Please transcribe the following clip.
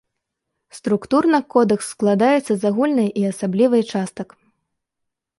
Структурна кодэкс складаецца з агульнай і асаблівай частак.